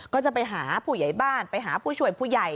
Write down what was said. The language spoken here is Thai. ก็จะไปหาผู้ใหญ่บ้านไปหาผู้ช่วยผู้ใหญ่